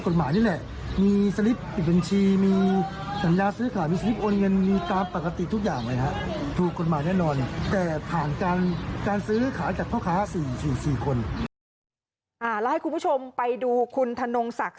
แล้วให้คุณผู้ชมไปดูคุณธนงศักดิ์